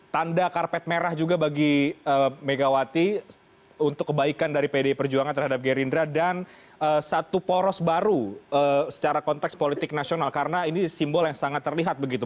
tanda karpet merah juga bagi megawati untuk kebaikan dari pdi perjuangan terhadap gerindra dan satu poros baru secara konteks politik nasional karena ini simbol yang sangat terlihat begitu